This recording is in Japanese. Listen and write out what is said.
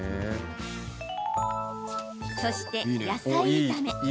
そして、野菜炒め。